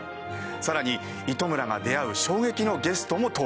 さらに糸村が出会う衝撃のゲストも登場。